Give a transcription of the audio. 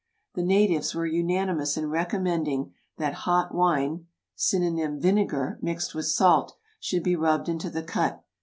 The natives were unanimous in recommending that hot wine (syn. vinegar), mixed with salt, should be rubbed into the cut.